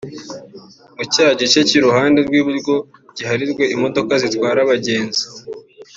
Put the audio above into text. ngo cya gice cy’iruhande rw’iburyo giharirwe imodoka zitwara abagenzi